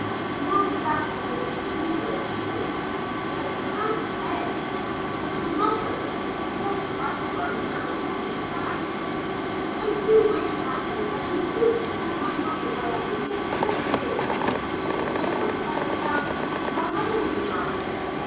"You will be back in time for tea, won't you?" "Can't say." "But your mother, the poor tired one, asked you to be back." "I do wish, Kathleen, that you wouldn't call mother by that ridiculous name. She is no more tired than than other women are."